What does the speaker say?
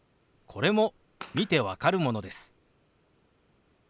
これも見て分かるものです。